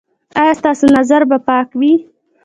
ایا ستاسو نظر به پاک وي؟